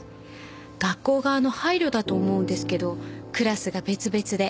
学校側の配慮だと思うんですけどクラスが別々で。